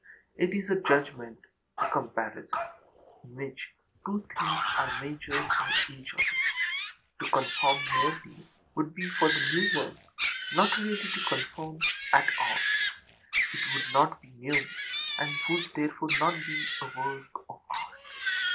It is a judgment, a comparison, in which two things are measured by each other. To conform merely would be for the new work not really to conform at all; it would not be new, and would therefore not be a work of art.